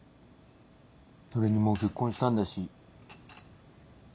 それにもう結婚したんだし。